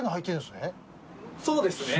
そうですね。